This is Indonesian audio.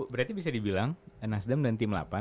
berarti bisa dibilang nasdem dan tim delapan